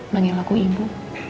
panggil aku ibu